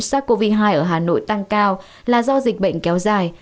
sars cov hai ở hà nội tăng cao là do dịch bệnh kéo dài